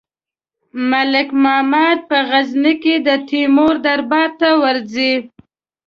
ملک محمد په غزني کې د تیمور دربار ته ورځي.